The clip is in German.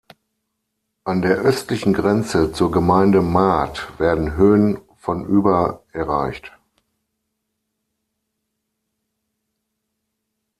An der östlichen Grenze zur Gemeinde Mat werden Höhen von über erreicht.